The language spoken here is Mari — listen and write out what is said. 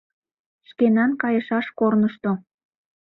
Шкенан кайышаш корнышто